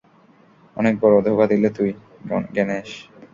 অনেক বড় ধোঁকা দিলে তুই, গ্যানেশ।